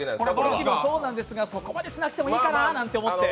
向きもそうなんですがそこまでしなくてもいいかなと思って。